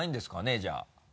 じゃあ。